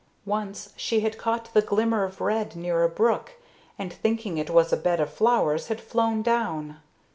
Once she had caught the glimmer of red near a brook, and thinking it was a bed of flowers had flown down.